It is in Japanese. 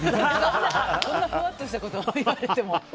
そんなふわっとしたこと言われても。